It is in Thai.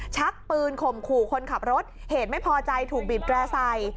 ชักปืนข่มขู่คนขับรถเหตุไม่พอใจถูกบีบแร่ใส่